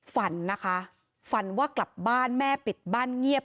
ฝันนะคะฝันว่ากลับบ้านแม่ปิดบ้านเงียบ